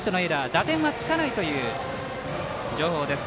打点はつかないという情報です。